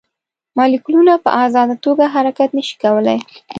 مالیکولونه په ازاده توګه حرکت نه شي کولی.